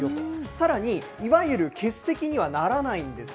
さらに、いわゆる欠席にはならないんです。